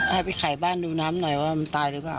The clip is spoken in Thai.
ให้ไปขายบ้านดูน้ำหน่อยว่ามันตายหรือเปล่า